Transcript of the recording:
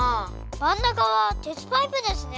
まんなかはてつパイプですね。